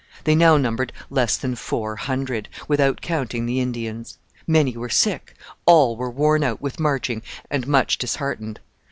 They now numbered less than four hundred, without counting the Indians. Many were sick; all were worn out with marching and much disheartened.